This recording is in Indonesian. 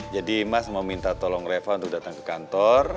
jadi mas mau minta tolong reva untuk datang ke kantor